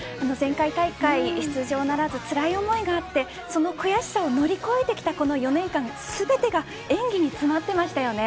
前回大会出場ならずつらい思いがあってその悔しさを乗り越えてきたこの４年間全てが演技に詰まっていました。